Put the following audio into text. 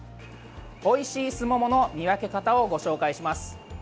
おいしい、すももの見分け方をご紹介します。